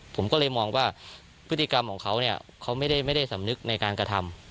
ผมก็เลยมองว่าพฤติกรรมของเขาเนี่ยเขาไม่ได้สำนึกในการกระทำ